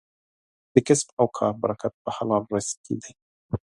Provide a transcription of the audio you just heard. د کسب او کار برکت په حلال رزق کې دی.